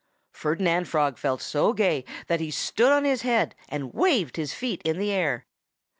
Ferdinand Frog felt so gay that he stood on his head and waved his feet in the air.